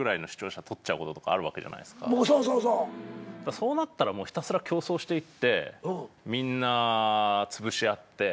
そうなったらひたすら競争していってみんなつぶし合って。